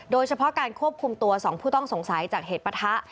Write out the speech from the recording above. โดยเฉพาะการควบคุมตัว๒ผู้ต้องสงสัยจากเหตุปะทะ